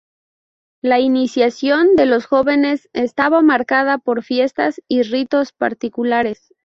La iniciación de los jóvenes estaba marcada por fiestas y ritos particulares.